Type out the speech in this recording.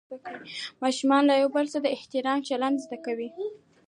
ماشومان له یو بل سره د احترام چلند زده کوي